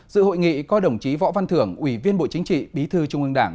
dự hội nghị có đồng chí võ văn thưởng ủy viên bộ chính trị bí thư trung ương đảng